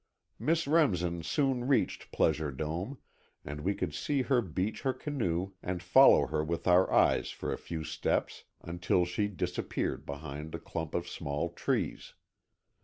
Miss Remsen soon reached Pleasure Dome, and we could see her beach her canoe and follow her with our eyes for a few steps until she disappeared behind a clump of tall trees.